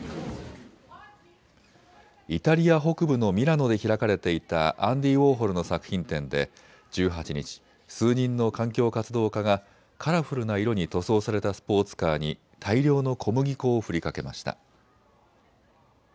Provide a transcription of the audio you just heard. イタリア北部のミラノで開かれていたアンディ・ウォーホルの作品展で１８日、数人の環境活動家がカラフルな色に塗装されたスポーツカーに大量の小麦粉を振りかけました。